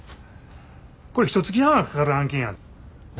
これひとつき半はかかる案件やで。